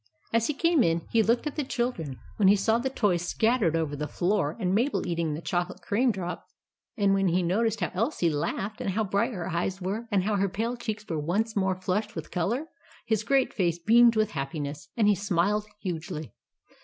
As he came in, he looked at the children. When he saw the toys scattered over the floor, and Mabel eating the chocolate cream drop; and when he noticed how Elsie laughed, and how bright her eyes were, and how her pale cheeks were once more flushed with colour, his great face beamed with happiness, and he smiled hugely.